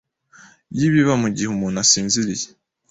y’ibiba mu gihe umuntu asinziriye.